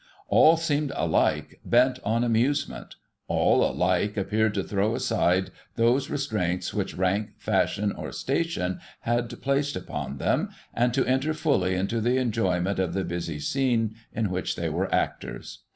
All seemed, alike, bent on amuse ment; all, alike, appeared to throw aside those restraints which rank, fashion, or station had placed upoa them, and to enter fully into the enjoyment of the busy scene in which they were actors.